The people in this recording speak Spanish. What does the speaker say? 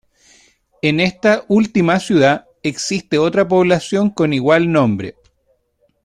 En esta última ciudad existe otra población con igual nombre.